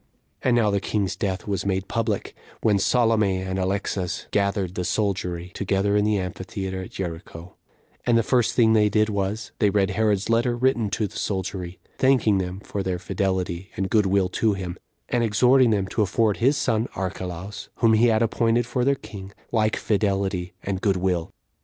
And now the king's death was made public, when Salome and Alexas gathered the soldiery together in the amphitheater at Jericho; and the first thing they did was, they read Herod's letter, written to the soldiery, thanking them for their fidelity and good will to him, and exhorting them to afford his son Archelaus, whom he had appointed for their king, like fidelity and good will.